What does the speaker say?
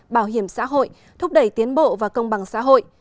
bảo hiểm xã hội thúc đẩy tiến bộ và công bằng xã hội